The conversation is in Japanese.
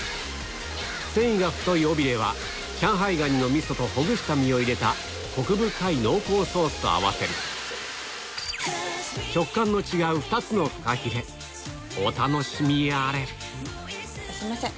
繊維が太い尾ビレは上海蟹のみそとほぐした身を入れたコク深い濃厚ソースと合わせる食感の違う２つのフカヒレお楽しみあれじゃあすいません